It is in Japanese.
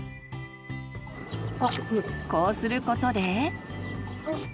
こうすることで。